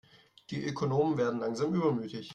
Die Ökonomen werden langsam übermütig.